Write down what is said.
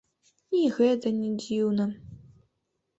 І гэта не дзіўна.